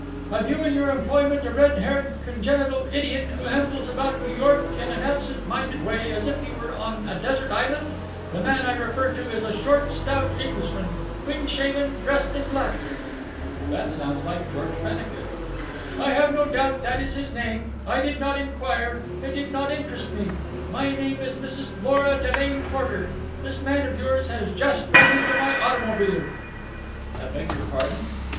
"Have you in your employment a red haired, congenital idiot who ambles about New York in an absent minded way, as if he were on a desert island? The man I refer to is a short, stout Englishman, clean shaven, dressed in black." "That sounds like George Pennicut." "I have no doubt that that is his name. I did not inquire. It did not interest me. My name is Mrs. Lora Delane Porter. This man of yours has just run into my automobile." "I beg your pardon?"